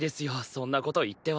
そんなこと言っては。